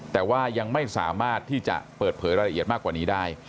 แต่ว่ายังไม่สามารถที่จะเปิดเผยรายละเอียดมากกว่านี้ได้